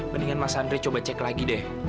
mendingan mas andri coba cek lagi deh